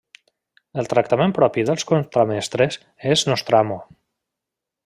El tractament propi dels contramestres és nostramo.